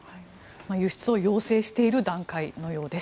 輸出を要請している段階のようです。